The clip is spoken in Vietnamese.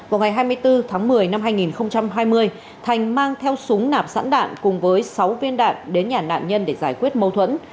vào ngày hai mươi bốn tháng một mươi năm hai nghìn hai mươi thành mang theo súng nạp sẵn đạn cùng với sáu viên đạn đến nhà nạn nhân để giải quyết mâu thuẫn